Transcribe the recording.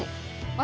私